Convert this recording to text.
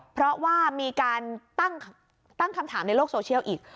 เพราะว่ามีการตั้งคำถามในโลกโซเชียลอีก